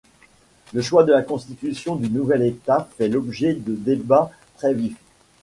Le choix de la constitution du nouvel État fait l'objet de débats très vifs.